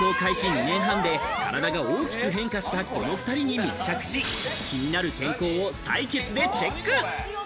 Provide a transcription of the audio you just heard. ２年半で体が大きく変化したこの２人に密着し、気になる健康を採血でチェック。